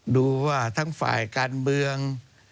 ดูว่าทั้งฝ่ายการเมือง